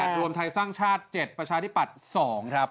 รวมไทยสร้างชาติ๗ประชาธิปัตย์๒ครับ